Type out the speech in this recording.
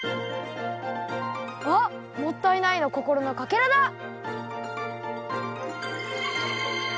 あっ「もったいない」のこころのかけらだ！